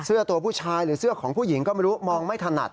เสื้อตัวผู้ชายหรือเสื้อของผู้หญิงก็ไม่รู้มองไม่ถนัด